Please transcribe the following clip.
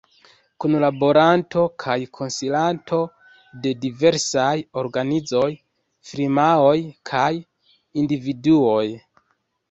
Kunlaboranto kaj konsilanto de diversaj organizoj, firmaoj kaj individuoj.